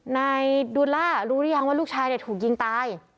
นายดูล่ารู้หรือยังว่าลูกชายถูกยิงตาย